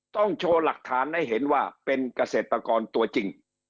โชว์หลักฐานให้เห็นว่าเป็นเกษตรกรตัวจริง